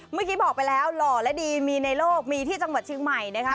เมื่อกี้บอกไปแล้วหล่อและดีมีในโลกมีที่จังหวัดเชียงใหม่นะคะ